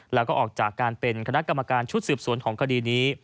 แล้วก็ออกจากการเป็นคณะกรรมการชุดสืบสวนของคดีนี้